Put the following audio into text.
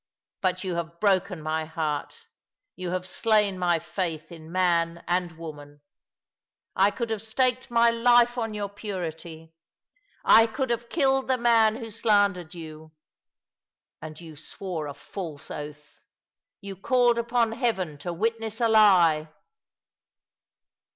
But you have broken my heart, you have slain my faith in man and woman. I could have staked my life on your purity— I could have killed the man who ^^ Deeper than Plummets sounds' 295 Blandercd yon — and yon swore a false oath — yon called npon Heaven to witness a lie